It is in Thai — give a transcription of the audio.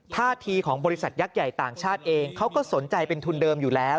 ท่าทีของบริษัทยักษ์ใหญ่ต่างชาติเองเขาก็สนใจเป็นทุนเดิมอยู่แล้ว